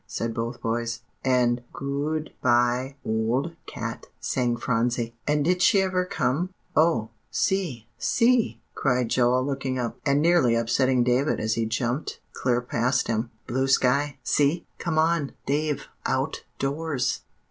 said both boys. And "Go o d by ol d cat," sang Phronsie. "And did she ever come oh, see see!" screamed Joel looking up, and nearly upsetting David as he jumped clear past him, "blue sky see come on, Dave, out doors!"